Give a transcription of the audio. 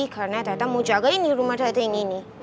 karena tata mau jagain di rumah tata yang ini